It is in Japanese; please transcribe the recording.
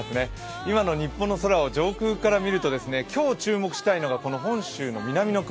今の日本の空を上空から見ると今日、注目したいのが本州の南の雲